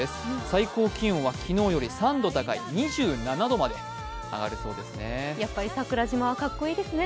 最高気温は昨日より３度高い２７度まで上がるそうですね。